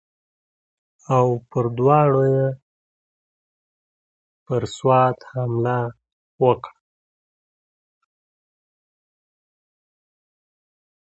او په دواړو یې پر سوات حمله وکړه.